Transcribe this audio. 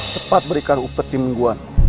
cepat berikan upetimu anku